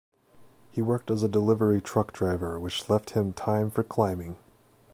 He worked as a delivery truck driver, which left him time for climbing.